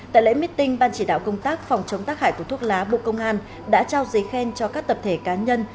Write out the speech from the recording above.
tại lễ meeting ban chỉ đạo công tác phòng chống tác hại của thuốc lá bộ công an đã trao giấy khen cho các tập thể cá nhân